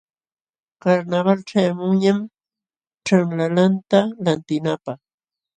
Karnawal ćhayaqmunñam ćhanlalanta lantinapaq.